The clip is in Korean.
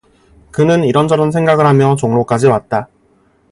그는 이런 생각 저런 생각을 하며 종로까지 왔다.